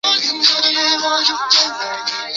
冰河中的冰混合有尘土和岩石。